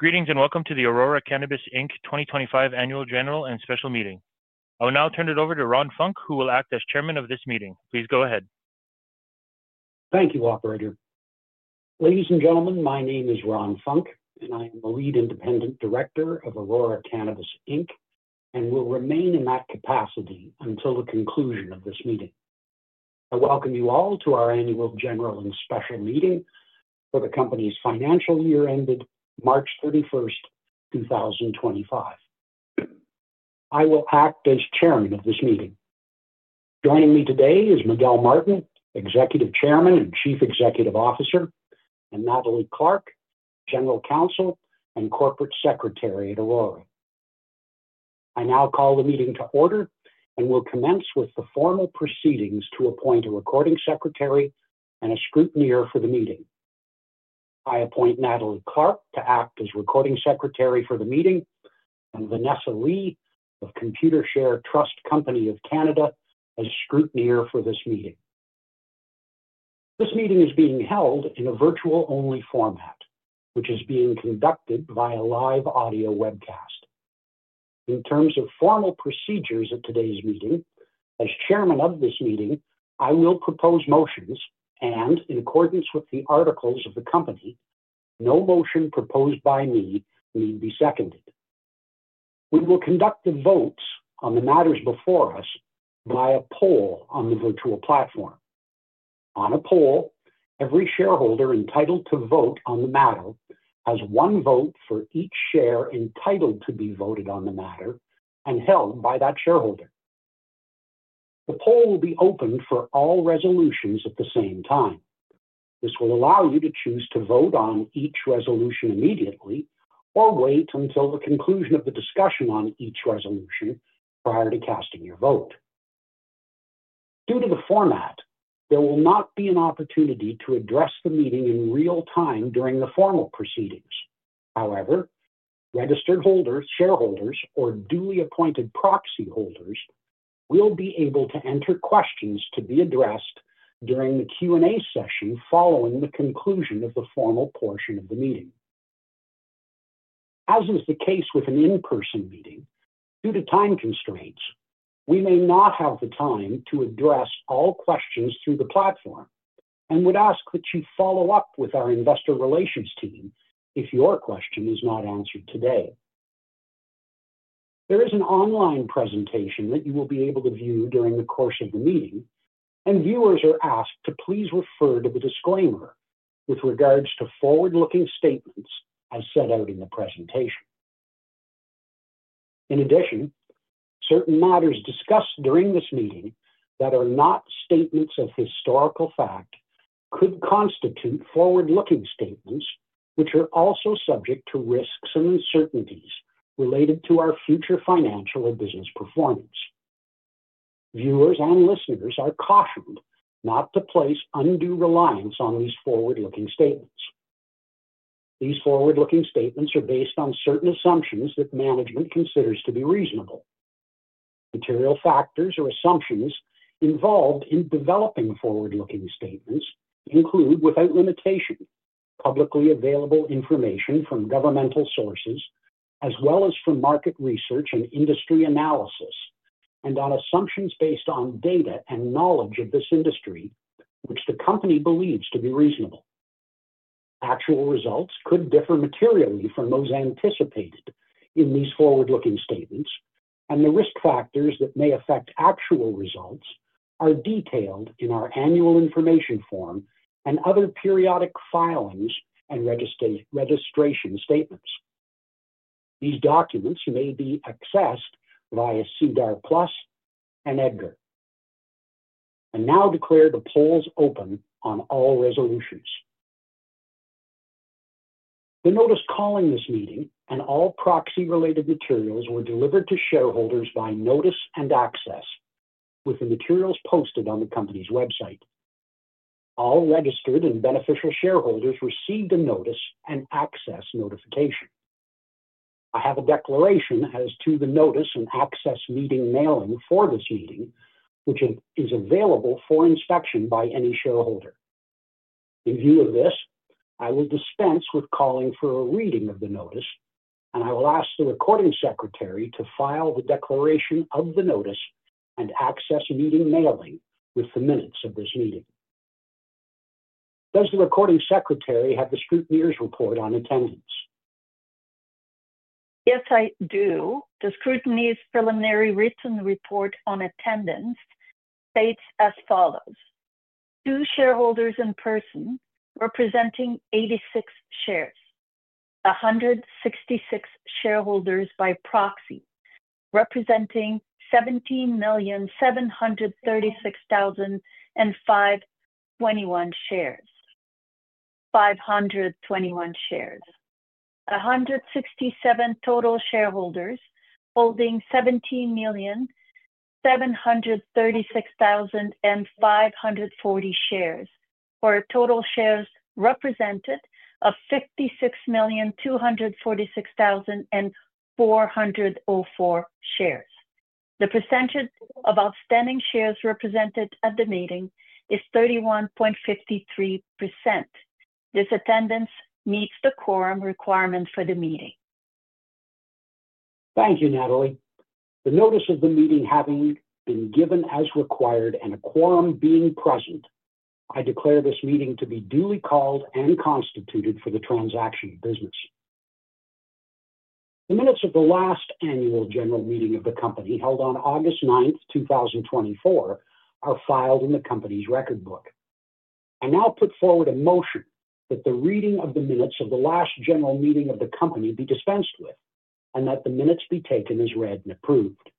Greetings and welcome to the Aurora Cannabis Inc. 2025 Annual General and Special Meeting. I will now turn it over to Ron Funk, who will act as Chairman of this meeting. Please go ahead. Thank you, Operator. Ladies and gentlemen, my name is Ron Funk, and I am the Lead Independent Director of Aurora Cannabis Inc. and will remain in that capacity until the conclusion of this meeting. I welcome you all to our annual general and special meeting for the company's financial year ended March 31, 2025. I will act as Chairman of this meeting. Joining me today is Miguel Martin, Executive Chairman and Chief Executive Officer, and Nathalie Clark, General Counsel and Corporate Secretary at Aurora. I now call the meeting to order and will commence with the formal proceedings to appoint a recording secretary and a scrutineer for the meeting. I appoint Nathalie Clark to act as Recording Secretary for the meeting, and Vanessa Lee of Computershare Trust Company of Canada as Scrutineer for this meeting. This meeting is being held in a virtual-only format, which is being conducted via live audio webcast. In terms of formal procedures at today's meeting, as Chairman of this meeting, I will propose motions and, in accordance with the articles of the company, no motion proposed by me need be seconded. We will conduct the votes on the matters before us via a poll on the virtual platform. On a poll, every shareholder entitled to vote on the matter has one vote for each share entitled to be voted on the matter and held by that shareholder. The poll will be open for all resolutions at the same time. This will allow you to choose to vote on each resolution immediately or wait until the conclusion of the discussion on each resolution prior to casting your vote. Due to the format, there will not be an opportunity to address the meeting in real time during the formal proceedings. However, registered holders, shareholders, or duly appointed proxy holders will be able to enter questions to be addressed during the Q&A session following the conclusion of the formal portion of the meeting. As is the case with an in-person meeting, due to time constraints, we may not have the time to address all questions through the platform and would ask that you follow up with our investor relations team if your question is not answered today. There is an online presentation that you will be able to view during the course of the meeting, and viewers are asked to please refer to the disclaimer with regards to forward-looking statements I set out in the presentation. In addition, certain matters discussed during this meeting that are not statements of historical fact could constitute forward-looking statements, which are also subject to risks and uncertainties related to our future financial or business performance. Viewers and listeners are cautioned not to place undue reliance on these forward-looking statements. These forward-looking statements are based on certain assumptions that management considers to be reasonable. Material factors or assumptions involved in developing forward-looking statements include, without limitation, publicly available information from governmental sources, as well as from market research and industry analysis, and on assumptions based on data and knowledge of this industry, which the company believes to be reasonable. Actual results could differ materially from those anticipated in these forward-looking statements, and the risk factors that may affect actual results are detailed in our annual information form and other periodic filings and registration statements. These documents may be accessed via SEDAR+ and EDGAR. I now declare the polls open on all resolutions. The notice calling this meeting and all proxy-related materials were delivered to shareholders by notice and access, with the materials posted on the company's website. All registered and beneficial shareholders received the notice and access notification. I have a declaration as to the notice and access meeting mailing for this meeting, which is available for inspection by any shareholder. In view of this, I will dispense with calling for a reading of the notice, and I will ask the recording secretary to file the declaration of the notice and access meeting mailing with the minutes of this meeting. Does the recording secretary have the scrutineer's report on attendance? Yes, I do. The scrutineer's preliminary written report on attendance states as follows: Two shareholders in person representing 86 shares, 166 shareholders by proxy representing 17,736,521 shares, 521 shares. 167 total shareholders holding 17,736,540 shares for a total shares represented of 56,246,404 shares. The percentage of outstanding shares represented at the meeting is 31.53%. This attendance meets the quorum requirements for the meeting. Thank you, Nathalie. The notice of the meeting having been given as required and a quorum being present, I declare this meeting to be duly called and constituted for the transaction of business. The minutes of the last annual general meeting of the company held on August 9, 2024, are filed in the company's record book. I now put forward a motion that the reading of the minutes of the last general meeting of the company be dispensed with and that the minutes be taken as read and approved.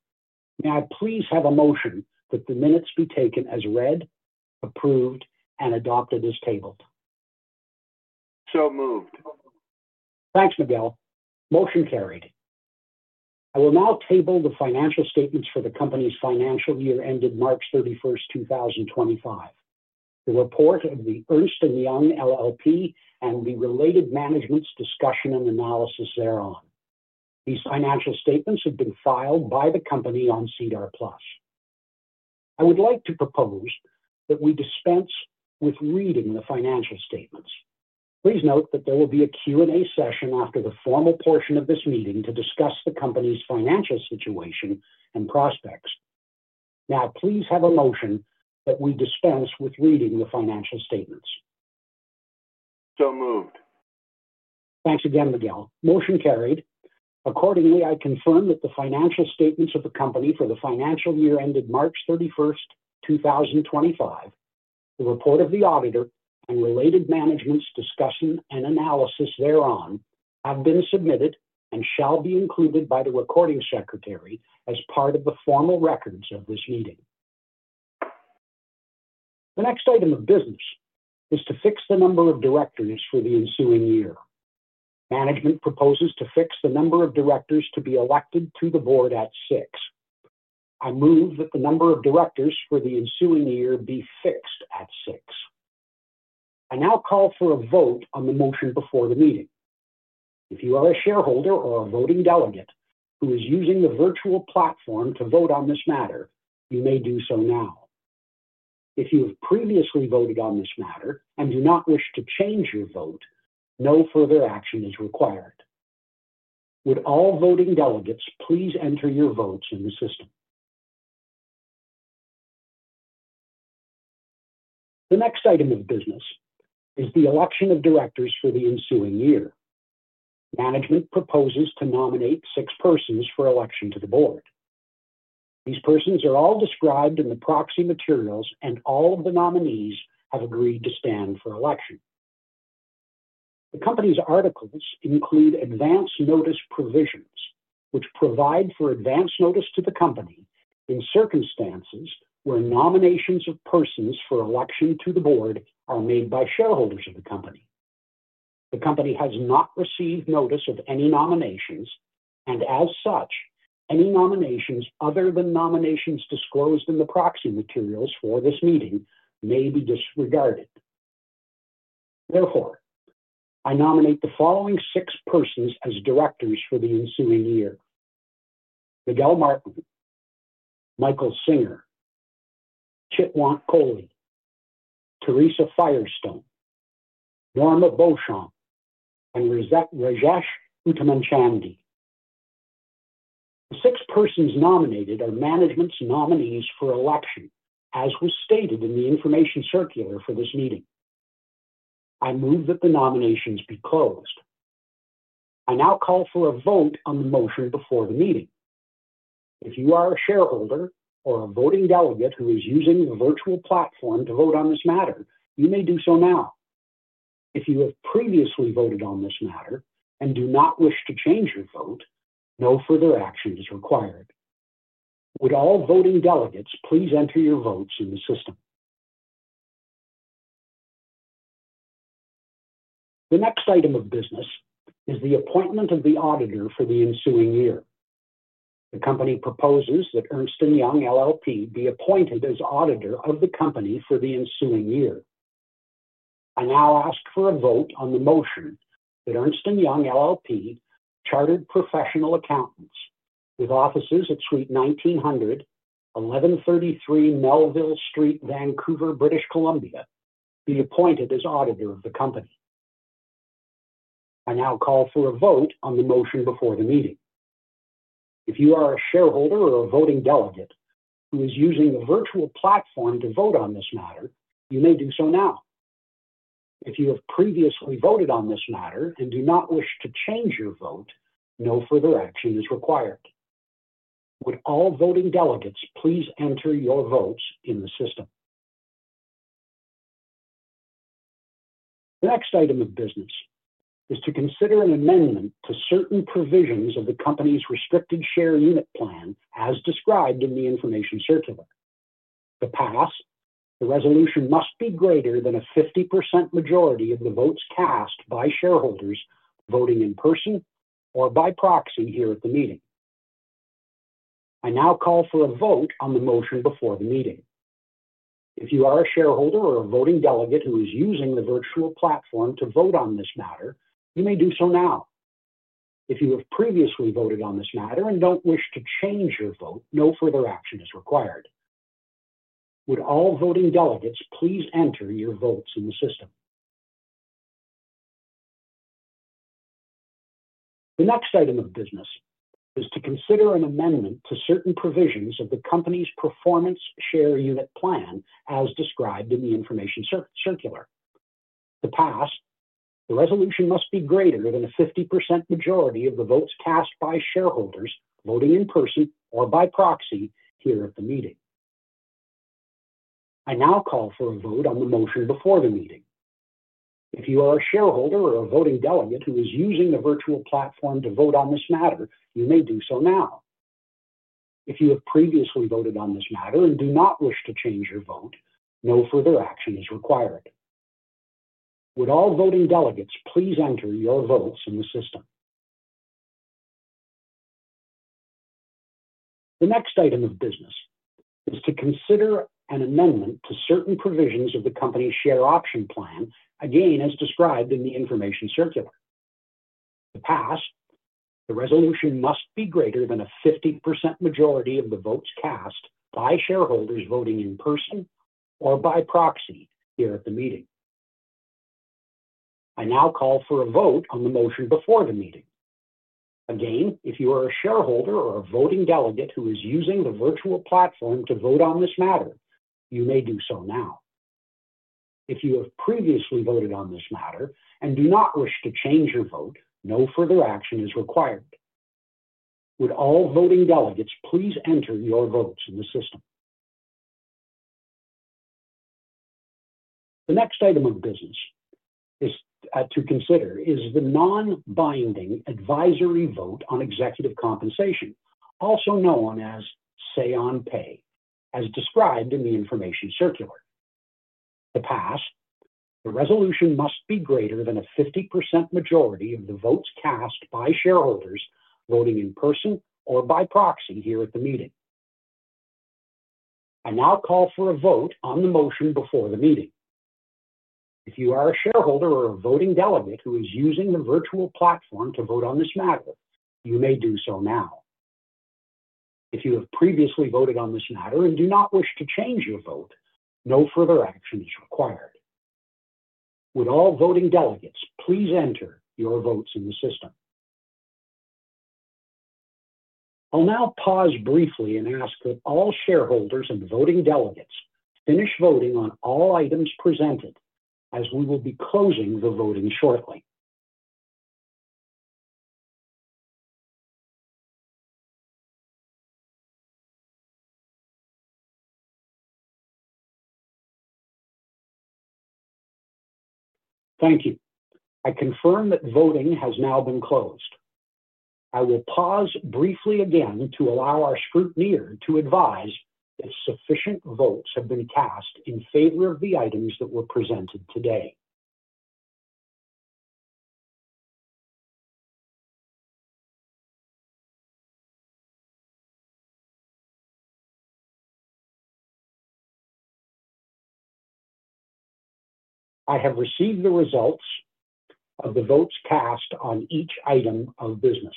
May I please have a motion that the minutes be taken as read, approved, and adopted as tabled? So moved. Thanks, Miguel. Motion carried. I will now table the financial statements for the company's financial year ended March 31, 2025, the report of Ernst & Young LLP, and the related management's discussion and analysis thereon. These financial statements have been filed by the company on SEDAR+. I would like to propose that we dispense with reading the financial statements. Please note that there will be a Q&A session after the formal portion of this meeting to discuss the company's financial situation and prospects. May I please have a motion that we dispense with reading the financial statements? So moved. Thanks again, Miguel. Motion carried. Accordingly, I confirm that the financial statements of the company for the financial year ended March 31, 2025, the report of the auditor and related management's discussion and analysis thereon have been submitted and shall be included by the recording secretary as part of the formal records of this meeting. The next item of business is to fix the number of directors for the ensuing year. Management proposes to fix the number of directors to be elected to the board at six. I move that the number of directors for the ensuing year be fixed at six. I now call for a vote on the motion before the meeting. If you are a shareholder or a voting delegate who is using the virtual platform to vote on this matter, you may do so now. If you have previously voted on this matter and do not wish to change your vote, no further action is required. Would all voting delegates please enter your votes in the system? The next item of business is the election of directors for the ensuing year. Management proposes to nominate six persons for election to the board. These persons are all described in the proxy materials and all of the nominees have agreed to stand for election. The company's articles include advance notice provisions, which provide for advance notice to the company in circumstances where nominations of persons for election to the board are made by shareholders of the company. The company has not received notice of any nominations and, as such, any nominations other than nominations disclosed in the proxy materials for this meeting may be disregarded. Therefore, I nominate the following six persons as directors for the ensuing year: Miguel Martin, Michael Singer, Chitwan Kohli, Teresa Firestone, Norma Beauchamp, and Rajesh Uttamanfandi. The six persons nominated are management's nominees for election, as was stated in the information circular for this meeting. I move that the nominations be closed. I now call for a vote on the motion before the meeting. If you are a shareholder or a voting delegate who is using the virtual platform to vote on this matter, you may do so now. If you have previously voted on this matter and do not wish to change your vote, no further action is required. Would all voting delegates please enter your votes in the system? The next item of business is the appointment of the auditor for the ensuing year. The company proposes that Ernst & Young LLP be appointed as auditor of the company for the ensuing year. I now ask for a vote on the motion that Ernst & Young LLP, Chartered Professional Accountants, with offices at Suite 1900, 1133 Melville Street, Vancouver, British Columbia, be appointed as auditor of the company. I now call for a vote on the motion before the meeting. If you are a shareholder or a voting delegate who is using the virtual platform to vote on this matter, you may do so now. If you have previously voted on this matter and do not wish to change your vote, no further action is required. Would all voting delegates please enter your votes in the system? The next item of business is to consider an amendment to certain provisions of the company's restricted share unit plan as described in the information circular. To pass, the resolution must be greater than a 50% majority of the votes cast by shareholders voting in person or by proxy here at the meeting. I now call for a vote on the motion before the meeting. If you are a shareholder or a voting delegate who is using the virtual platform to vote on this matter, you may do so now. If you have previously voted on this matter and don't wish to change your vote, no further action is required. Would all voting delegates please enter your votes in the system? The next item of business is to consider an amendment to certain provisions of the company's performance share unit plan as described in the information circular. To pass, the resolution must be greater than a 50% majority of the votes cast by shareholders voting in person or by proxy here at the meeting. I now call for a vote on the motion before the meeting. If you are a shareholder or a voting delegate who is using the virtual platform to vote on this matter, you may do so now. If you have previously voted on this matter and do not wish to change your vote, no further action is required. Would all voting delegates please enter your votes in the system? The next item of business is to consider an amendment to certain provisions of the company's share option plan, again as described in the information circular. To pass, the resolution must be greater than a 50% majority of the votes cast by shareholders voting in person or by proxy here at the meeting. I now call for a vote on the motion before the meeting. Again, if you are a shareholder or a voting delegate who is using the virtual platform to vote on this matter, you may do so now. If you have previously voted on this matter and do not wish to change your vote, no further action is required. Would all voting delegates please enter your votes in the system? The next item of business is to consider the non-binding advisory vote on executive compensation, also known as say on pay, as described in the information circular. To pass, the resolution must be greater than a 50% majority of the votes cast by shareholders voting in person or by proxy here at the meeting. I now call for a vote on the motion before the meeting. If you are a shareholder or a voting delegate who is using the virtual platform to vote on this matter, you may do so now. If you have previously voted on this matter and do not wish to change your vote, no further action is required. Would all voting delegates please enter your votes in the system? I'll now pause briefly and ask that all shareholders and voting delegates finish voting on all items presented, as we will be closing the voting shortly. Thank you. I confirm that voting has now been closed. I will pause briefly again to allow our scrutineer to advise that sufficient votes have been cast in favor of the items that were presented today. I have received the results of the votes cast on each item of business.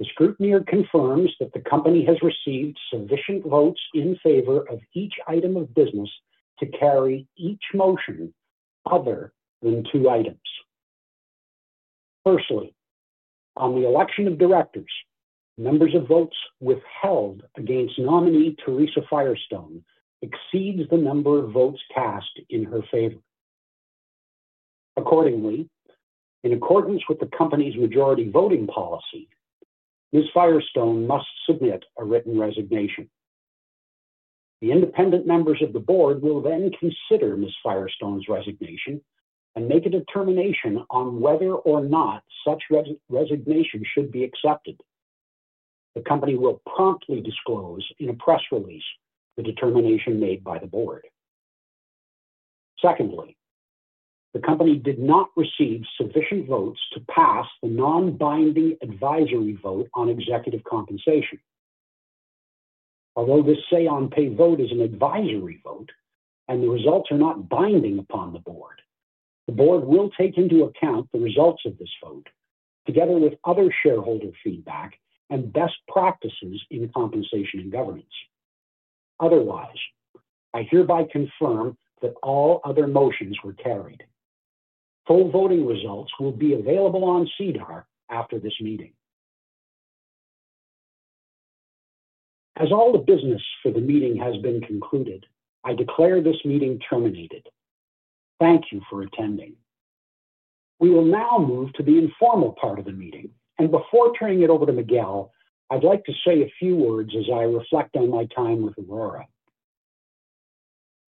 The scrutineer confirms that the company has received sufficient votes in favor of each item of business to carry each motion other than two items. Firstly, on the election of directors, the numbers of votes withheld against nominee Teresa Firestone exceed the number of votes cast in her favor. Accordingly, in accordance with the company's majority voting policy, Ms. Firestone must submit a written resignation. The independent members of the board will then consider Ms. Firestone's resignation and make a determination on whether or not such a resignation should be accepted. The company will promptly disclose in a press release the determination made by the board. Secondly, the company did not receive sufficient votes to pass the non-binding advisory vote on executive compensation. Although this say on pay vote is an advisory vote and the results are not binding upon the board, the board will take into account the results of this vote together with other shareholder feedback and best practices in compensation and governance. Otherwise, I hereby confirm that all other motions were carried. Full voting results will be available on SEDAR after this meeting. As all the business for the meeting has been concluded, I declare this meeting terminated. Thank you for attending. We will now move to the informal part of the meeting, and before turning it over to Miguel, I'd like to say a few words as I reflect on my time with Aurora.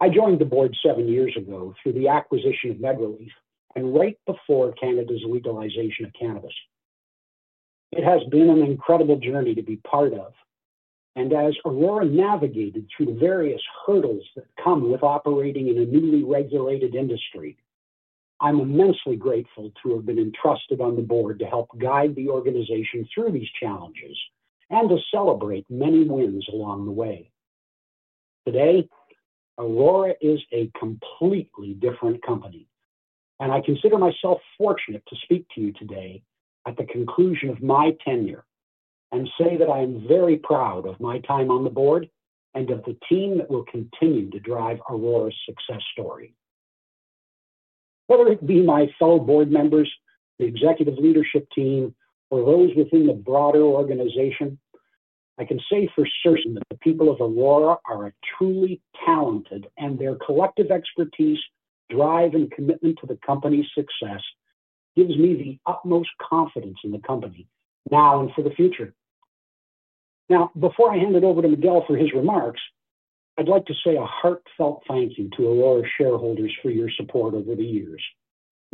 I joined the board seven years ago through the acquisition of MedReleaf and right before Canada's legalization of cannabis. It has been an incredible journey to be part of, and as Aurora navigated through the various hurdles that come with operating in a newly regulated industry, I'm immensely grateful to have been entrusted on the board to help guide the organization through these challenges and to celebrate many wins along the way. Today, Aurora is a completely different company, and I consider myself fortunate to speak to you today at the conclusion of my tenure and say that I am very proud of my time on the board and of the team that will continue to drive Aurora's success story. Whether it be my fellow board members, the executive leadership team, or those within the broader organization, I can say for certain that the people of Aurora are truly talented, and their collective expertise, drive, and commitment to the company's success gives me the utmost confidence in the company now and for the future. Now, before I hand it over to Miguel for his remarks, I'd like to say a heartfelt thank you to Aurora shareholders for your support over the years.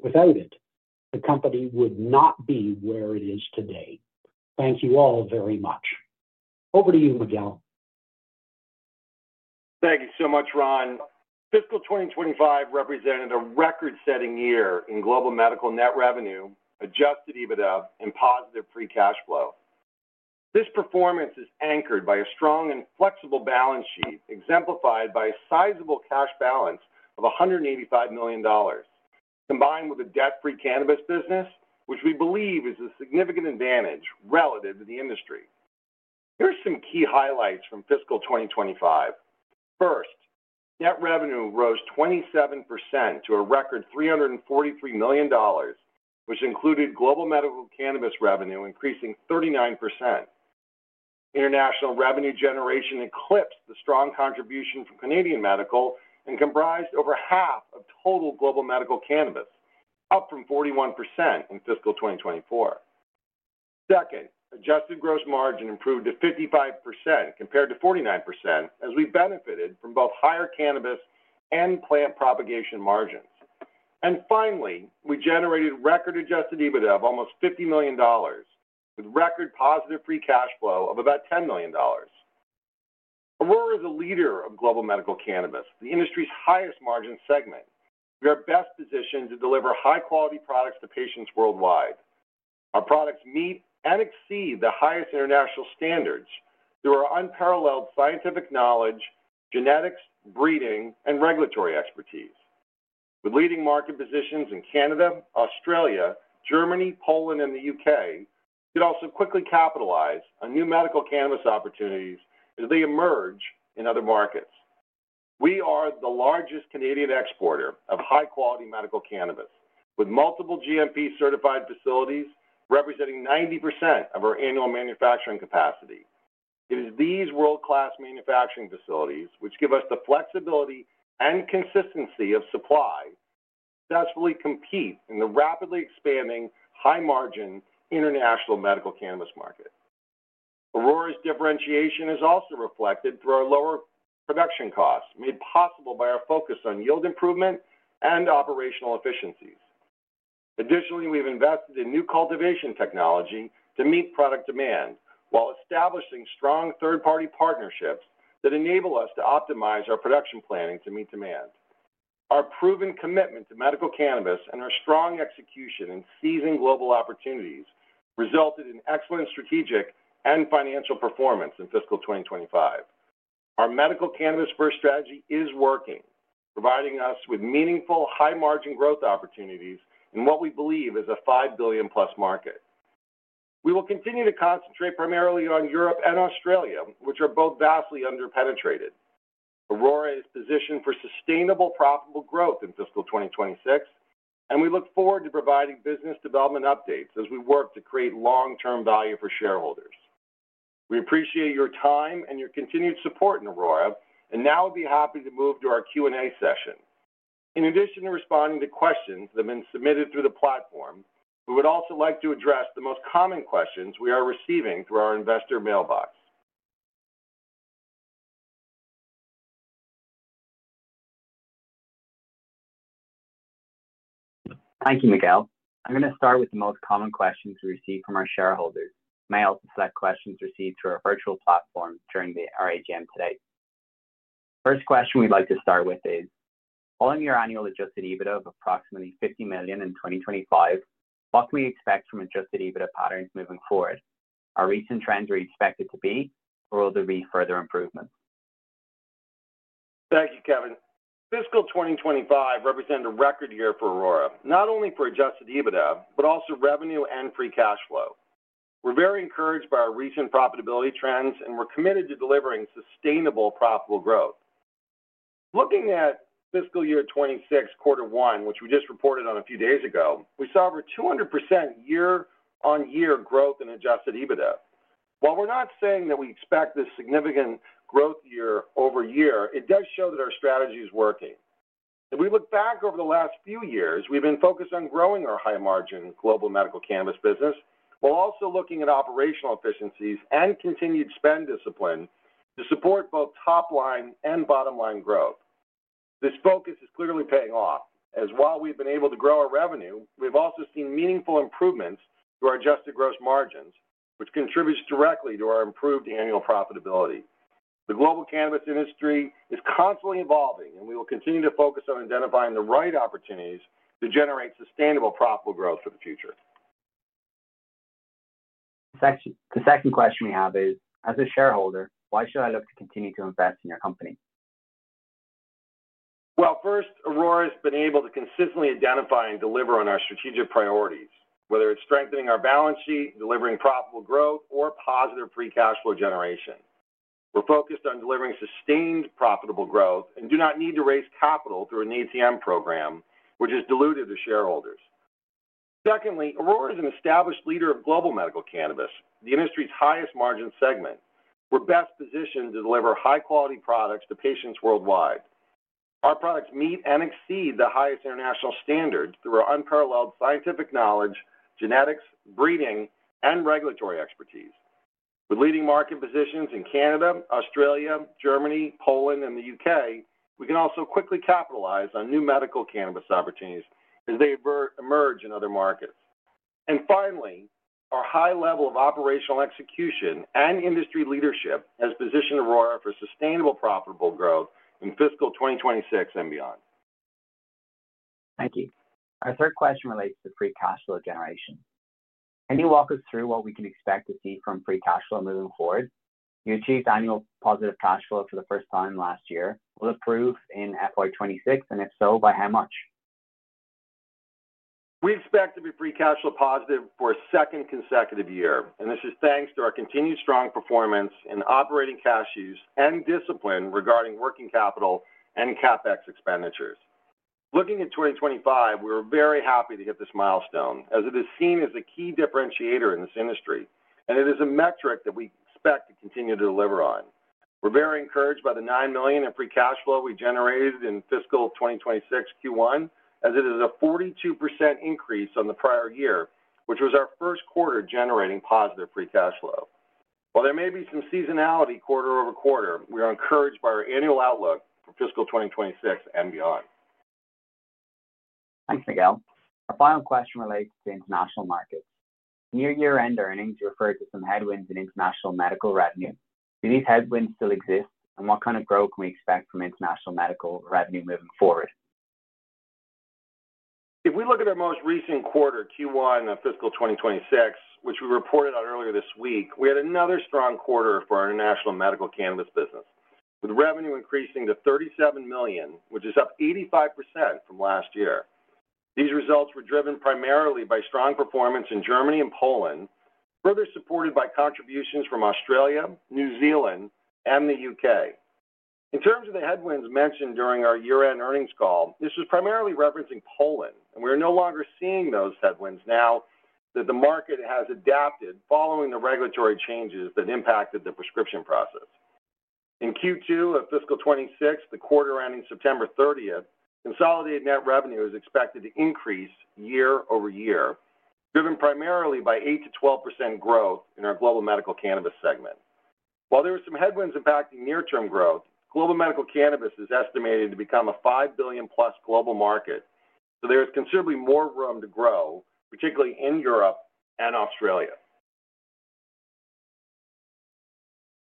Without it, the company would not be where it is today. Thank you all very much. Over to you, Miguel. Thank you so much, Ron. Fiscal 2025 represented a record-setting year in global medical net revenue, adjusted EBITDA, and positive free cash flow. This performance is anchored by a strong and flexible balance sheet, exemplified by a sizable cash balance of 185 million dollars, combined with a debt-free cannabis business, which we believe is a significant advantage relative to the industry. Here are some key highlights from fiscal 2025. First, net revenue rose 27% to a record 343 million dollars, which included global medical cannabis revenue increasing 39%. International revenue generation eclipsed the strong contribution from Canadian medical and comprised over half of total global medical cannabis, up from 41% in fiscal 2024. Second, adjusted gross margin improved to 55% compared to 49%, as we benefited from both higher cannabis and plant propagation margins. Finally, we generated record-adjusted EBITDA of almost 50 million dollars, with record positive free cash flow of about 10 million dollars. Aurora is a leader of global medical cannabis, the industry's highest margin segment. We are best positioned to deliver high-quality products to patients worldwide. Our products meet and exceed the highest international standards through our unparalleled scientific knowledge, genetics, breeding, and regulatory expertise. With leading market positions in Canada, Australia, Germany, Poland, and the U.K., we could also quickly capitalize on new medical cannabis opportunities as they emerge in other markets. We are the largest Canadian exporter of high-quality medical cannabis, with multiple GMP-certified facilities representing 90% of our annual manufacturing capacity. It is these world-class manufacturing facilities, which give us the flexibility and consistency of supply, to successfully compete in the rapidly expanding high-margin international medical cannabis market. Aurora's differentiation is also reflected through our lower production costs, made possible by our focus on yield improvement and operational efficiencies. Additionally, we've invested in new cultivation technology to meet product demand while establishing strong third-party partnerships that enable us to optimize our production planning to meet demand. Our proven commitment to medical cannabis and our strong execution in seizing global opportunities resulted in excellent strategic and financial performance in fiscal 2025. Our medical cannabis-first strategy is working, providing us with meaningful high-margin growth opportunities in what we believe is a 5 billion-plus market. We will continue to concentrate primarily on Europe and Australia, which are both vastly underpenetrated. Aurora is positioned for sustainable, profitable growth in fiscal 2026, and we look forward to providing business development updates as we work to create long-term value for shareholders. We appreciate your time and your continued support in Aurora, and now would be happy to move to our Q&A session. In addition to responding to questions that have been submitted through the platform, we would also like to address the most common questions we are receiving through our investor mailbox. Thank you, Miguel. I'm going to start with the most common questions we receive from our shareholders. I may also select questions received through our virtual platform during our AGM today. The first question we'd like to start with is, following your annual adjusted EBITDA of approximately 50 million in 2025, what can we expect from adjusted EBITDA patterns moving forward? Are recent trends expected to be, or will there be further improvements? Thank you, Kevin. Fiscal 2025 represented a record year for Aurora Cannabis Inc., not only for adjusted EBITDA, but also revenue and free cash flow. We're very encouraged by our recent profitability trends, and we're committed to delivering sustainable, profitable growth. Looking at fiscal year 2026, quarter one, which we just reported on a few days ago, we saw over 200% year-on-year growth in adjusted EBITDA. While we're not saying that we expect this significant growth year-over-year, it does show that our strategy is working. If we look back over the last few years, we've been focused on growing our high-margin global medical cannabis business while also looking at operational efficiencies and continued spend discipline to support both top-line and bottom-line growth. This focus is clearly paying off, as while we've been able to grow our revenue, we've also seen meaningful improvements to our adjusted gross margins, which contributes directly to our improved annual profitability. The global cannabis industry is constantly evolving, and we will continue to focus on identifying the right opportunities to generate sustainable, profitable growth for the future. The second question we have is, as a shareholder, why should I look to continue to invest in your company? Aurora has been able to consistently identify and deliver on our strategic priorities, whether it's strengthening our balance sheet, delivering profitable growth, or positive free cash flow generation. We're focused on delivering sustained, profitable growth and do not need to raise capital through an ETM program, which is dilutive to shareholders. Aurora is an established leader of global medical cannabis, the industry's highest margin segment. We're best positioned to deliver high-quality products to patients worldwide. Our products meet and exceed the highest international standards through our unparalleled scientific knowledge, genetics, breeding, and regulatory expertise. With leading market positions in Canada, Australia, Germany, Poland, and the U.K., we can also quickly capitalize on new medical cannabis opportunities as they emerge in other markets. Finally, our high level of operational execution and industry leadership has positioned Aurora for sustainable, profitable growth in fiscal 2026 and beyond. Thank you. Our third question relates to free cash flow generation. Can you walk us through what we can expect to see from free cash flow moving forward? You achieved annual positive free cash flow for the first time last year. Will it improve in FY 2026? If so, by how much? We expect to be free cash flow positive for a second consecutive year, and this is thanks to our continued strong performance in operating cash use and discipline regarding working capital and CapEx expenditures. Looking at 2025, we were very happy to hit this milestone, as it is seen as a key differentiator in this industry, and it is a metric that we expect to continue to deliver on. We're very encouraged by the 9 million in free cash flow we generated in fiscal 2026 Q1, as it is a 42% increase on the prior year, which was our first quarter generating positive free cash flow. While there may be some seasonality quarter-over-quarter, we are encouraged by our annual outlook for fiscal 2026 and beyond. Thanks, Miguel. Our final question relates to the international markets. Near year-end earnings refer to some headwinds in international medical revenue. Do these headwinds still exist, and what kind of growth can we expect from international medical revenue moving forward? If we look at our most recent quarter, Q1 of fiscal 2026, which we reported on earlier this week, we had another strong quarter for our international medical cannabis business, with revenue increasing to 37 million, which is up 85% from last year. These results were driven primarily by strong performance in Germany and Poland, further supported by contributions from Australia, New Zealand, and the U.K.. In terms of the headwinds mentioned during our year-end earnings call, this was primarily referencing Poland, and we are no longer seeing those headwinds now that the market has adapted following the regulatory changes that impacted the prescription process. In Q2 of fiscal 2026, the quarter ending September 30, consolidated net revenue is expected to increase year-over-year, driven primarily by 8%-12% growth in our global medical cannabis segment. While there are some headwinds impacting near-term growth, global medical cannabis is estimated to become a 5 billion-plus global market, so there is considerably more room to grow, particularly in Europe and Australia.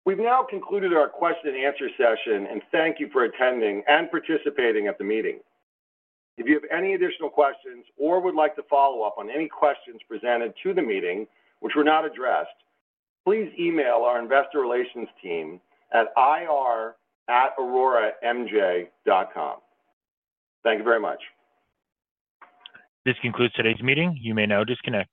We've now concluded our question and answer session, and thank you for attending and participating at the meeting. If you have any additional questions or would like to follow up on any questions presented to the meeting, which were not addressed, please email our investor relations team at ir@auroramj.com. Thank you very much. This concludes today's meeting. You may now disconnect.